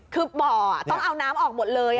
คือบ่อต้องเอาน้ำออกหมดเลย